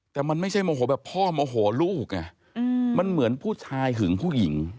แต่มันไม่ใช่โมโหแบบพ่อโมโหลูกไงมันเหมือนผู้ชายหึงผู้หญิง